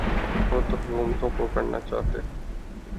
وہ تو حکومتوں کو کرنا چاہیے۔